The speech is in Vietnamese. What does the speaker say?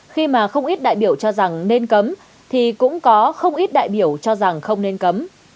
khi mà không ít đại biểu cho rằng nên cấm thì cũng có không ít đại biểu cho rằng không nên cấm